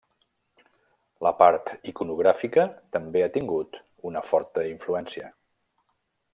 La part iconogràfica també ha tingut una forta influència.